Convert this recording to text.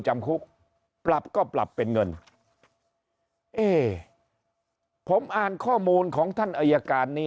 จำคุกปรับก็ปรับเป็นเงินเอ๊ผมอ่านข้อมูลของท่านอายการนี้